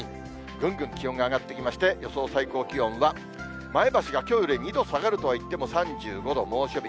ぐんぐん気温が上がっていきまして、予想最高気温は、前橋がきょうより２度下がるといっても、３５度、猛暑日。